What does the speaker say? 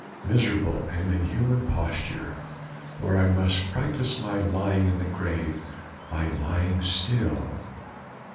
Miserable and inhuman posture, where I must practise my lying in the grave by lying still.'